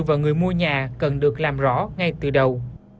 và người mua nhà cần được làm rõ ngay từ đầu